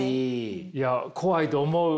いや怖いと思う。